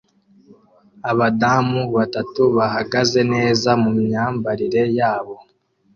Abadamu batatu bahagaze neza mumyambarire yabo